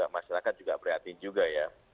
masyarakat juga prihatin juga ya